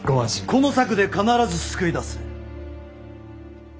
この策で必ず救い出す。